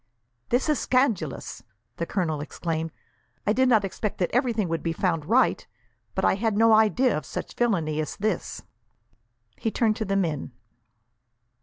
"This is scandalous!" the colonel exclaimed. "I did not expect that everything would be found right, but I had no idea of such villainy as this!" He turned to the men.